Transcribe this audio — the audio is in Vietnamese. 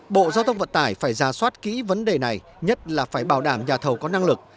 bộ giao thông vận tải phải ra soát kỹ vấn đề này nhất là phải bảo đảm nhà thầu có năng lực